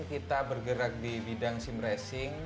kita bergerak di bidang simracing